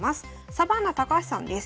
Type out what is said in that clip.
サバンナ高橋さんです。